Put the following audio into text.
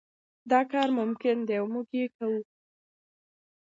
دا کار ممکن دی او موږ یې کوو.